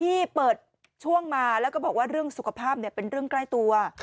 ที่เปิดช่วงมาแล้วก็บอกว่าเรื่องสุขภาพเป็นเรื่องใกล้ตัว